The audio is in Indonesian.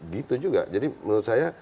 gitu juga jadi menurut saya